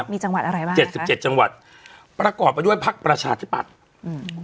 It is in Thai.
มีจังหวัดอะไรบ้างเจ็ดสิบเจ็ดจังหวัดประกอบไปด้วยพักประชาธิปัตย์อืม